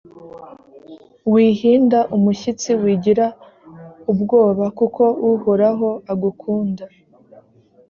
wihinda umushyitsi wigira ubwoba kuko uhoraho agukunda